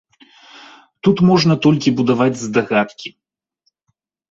Тут можна толькі будаваць здагадкі.